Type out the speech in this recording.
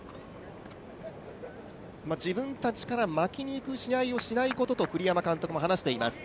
自分たちから負けにいく試合をしないことと栗山監督も話しています。